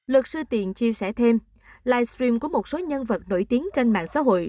luật sư tiện chia sẻ thêm livestream của một số nhân vật nổi tiếng trên mạng xã hội